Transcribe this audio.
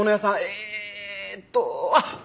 えーっとあっ！